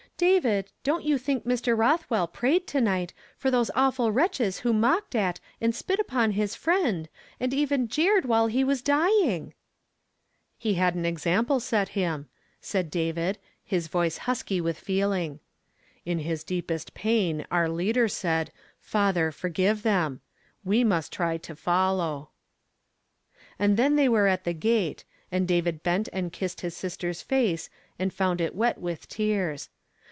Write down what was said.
"David, don't you think Mr. Ilothvvell prayed, to night, for those awful wretches who mocked at and spit upon his friend, and even jeered while he' was dying ?"". ie ..ad an example set Iiim," said David, his voice husky with feeling, u j„ j^j^ j^^^,^^^ our leader said: 'Father, forgive them.' We must try to follow." And then they were at the gate, and David hent and kissed his sister's face and found it wet mth tears.